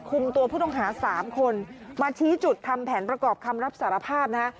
คุมตัวผู้ต้องหาสามคนมาชี้จุดทำแผนประกอบคำรับสารภาพนะฮะ